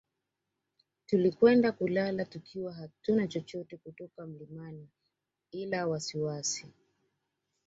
Tulikwenda kulala tukiwa hatuna chochote kutoka mlimani ila wasiwasi